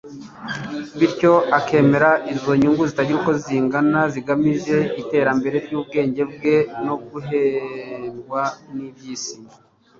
bityo akemera izo nyungu zitagira uko zingana zigamije iterambere ry'ubwenge bwe no guhendwa n'iby'isi